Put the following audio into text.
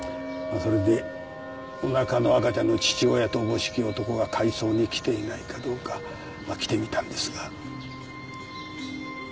それでおなかの赤ちゃんの父親とおぼしき男が会葬に来ていないかどうかまっ来てみたんですが。